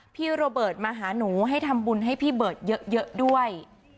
พี่โรเบิร์ตมาหาหนูให้ทำบุญให้พี่เบิร์ตเยอะด้วย